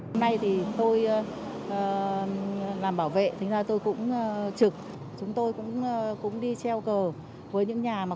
hôm nay thì tôi làm bảo vệ thành ra tôi cũng trực chúng tôi cũng đi treo cờ với những nhà mà